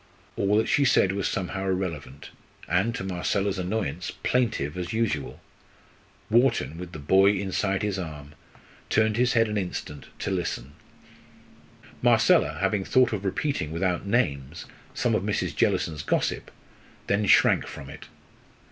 All that she said was somehow irrelevant; and, to Marcella's annoyance, plaintive as usual. Wharton, with the boy inside his arm, turned his head an instant to listen. Marcella, having thought of repeating, without names, some of Mrs. Jellison's gossip, then shrank from it.